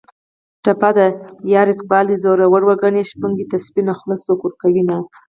ټپه ده: یاره اقبال دې زورور و ګني شپونکي ته سپینه خوله څوک ورکوینه